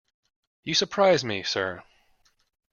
You surprise me, sir.